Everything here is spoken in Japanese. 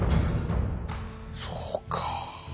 そうか。